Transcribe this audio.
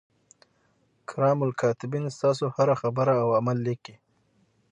کرام الکاتبین ستاسو هره خبره او عمل لیکي.